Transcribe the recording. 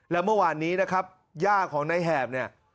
แล้วเมื่อวานนี้นะครับย่าของนายแหบเนี่ย